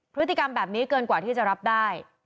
พฤติกรรมแบบนี้เกินกว่าที่จะรับได้